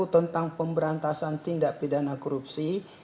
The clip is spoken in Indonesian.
tentang pemberantasan tindak pidana korupsi